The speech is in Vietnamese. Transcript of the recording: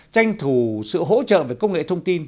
tranh thủ sự hỗ trợ về công nghệ thông tin